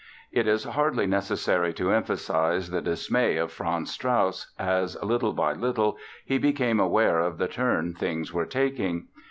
It is hardly necessary to emphasize the dismay of Franz Strauss as, little by little, he became aware of the turn things were taking.